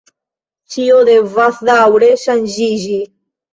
Ĉio devas daŭre ŝanĝiĝi.